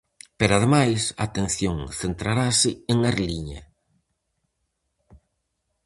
Pero ademais, a atención centrarase en Arliña.